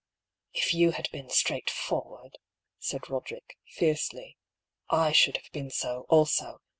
" If you had been straightforward," said Roderick, fiercely, " I should have been so, also.